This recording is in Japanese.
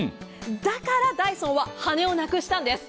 だからダイソンは羽根をなくしたんです。